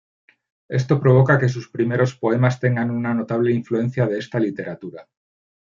Esto provoca que sus primeros poemas tengan una notable influencia de esta literatura.